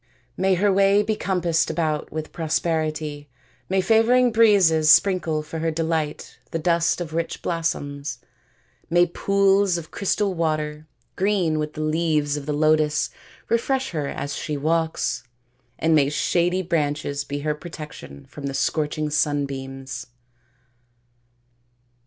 " May her way be compassed about with prosperity. May favouring breezes sprinkle for her delight the dust of rich blossoms. May pools of crystal water, green with the leaves of the lotus, refresh her as she walks ; and may shady branches be her protection from the scorching sunbeams."